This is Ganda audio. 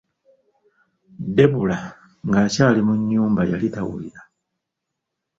Debula ng'akyali mu nnyumba yali tawulira.